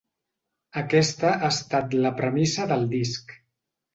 Aquesta ha estat la premissa del disc.